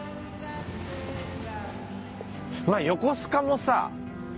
まあ横須賀もさ。